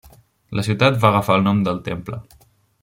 La ciutat va agafar el nom del temple.